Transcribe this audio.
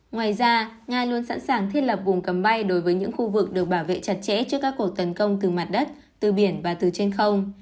ngoài ra nga luôn sẵn sàng thiết lập vùng cấm bay đối với những khu vực được bảo vệ chặt chẽ trước các cuộc tấn công từ mặt đất từ biển và từ trên không